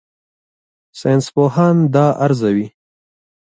ساینسپوهان دا ارزوي.